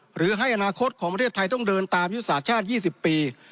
หรือให้อนาคตของประเทศไทยต้องเดินตามยุทธศาสตร์ชาติ๒๐ปี